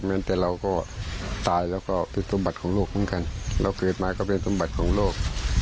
นั้นแต่เราก็ตายแล้วก็ผิดสมบัติของโลกเหมือนกันเราเกิดมาก็เป็นสมบัติของโลก